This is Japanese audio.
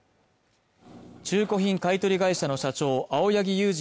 中古品買い取り会社の社長・青柳佑侍